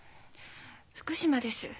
福島です。